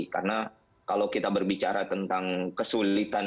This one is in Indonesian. karena kalau kita berbicara tentang kesulitan